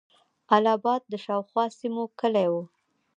اله آباد د شاوخوا سیمو کیلي وه.